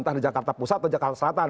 entah di jakarta pusat atau jakarta selatan